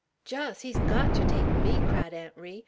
"Jos! He's got ter take me!" cried Aunt Ri.